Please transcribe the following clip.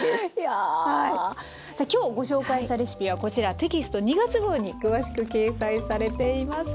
さあ今日ご紹介したレシピはこちらテキスト２月号に詳しく掲載されています。